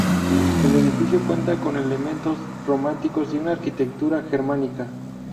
El edificio cuenta con elementos románicos y una arquitectura germánica.